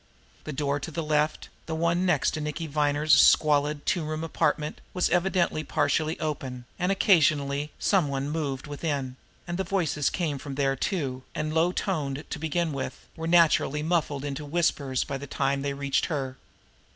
The door to the left, the one next to Nicky Viner's squalid, two room apartment, was evidently partially open, and occasionally some one moved within; and the voices came from there too, and, low toned to begin with, were naturally muffled into whispers by the time they reached her.